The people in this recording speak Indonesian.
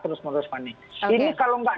terus menerus fani ini kalau nggak